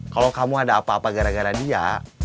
kalau kamu ada apa apa gara gara dia